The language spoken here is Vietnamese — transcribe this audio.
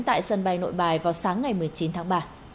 tại sân bay nội bài vào sáng ngày một mươi chín tháng ba